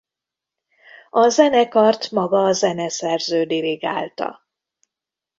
A zenekart maga a zeneszerző dirigálta.